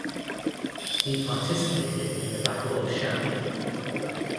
He participated in the Battle of Shamli.